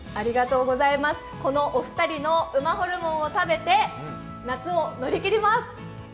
このお二人の馬ホルモンを食べて夏を乗り切ります。